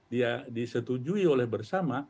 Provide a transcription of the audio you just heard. dia disetujui oleh bersama